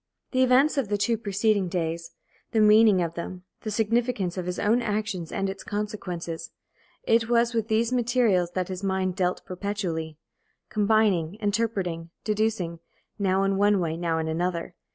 The events of the two preceding days, the meaning of them, the significance of his own action and its consequences it was with these materials that his mind dealt perpetually, combining, interpreting, deducing, now in one way, now in another.